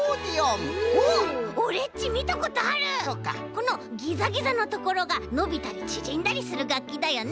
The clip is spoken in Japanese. このギザギザのところがのびたりちぢんだりするがっきだよね。